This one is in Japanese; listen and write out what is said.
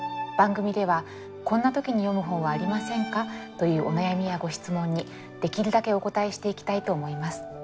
番組では「こんな時に読む本はありませんか？」というお悩みやご質問にできるだけお応えしていきたいと思います。